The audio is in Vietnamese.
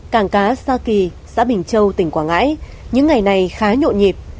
cảng cá sa kỳ xã bình châu tỉnh quảng ngãi những ngày này khá nhộn nhịp